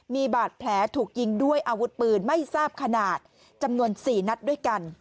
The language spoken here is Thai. มีบาดแผลถูกยิงด้วยอาวุธปืนไม่ทราบขนาดจำนวน๔นัดด้วยกัน